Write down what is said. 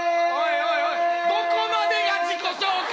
おいおい、どこまでが自己紹介？